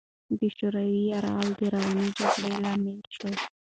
د شوروي یرغل د روانې جګړې لامل شو.